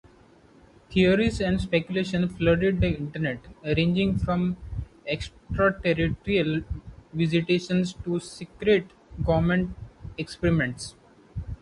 Theories and speculations flooded the internet, ranging from extraterrestrial visitations to secret government experiments.